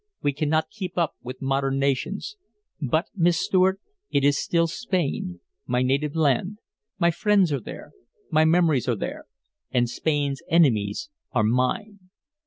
We cannot keep up with modern nations. But, Miss Stuart, it is still Spain, my native land; my friends are there, my memories are there. And Spain's enemies are mine."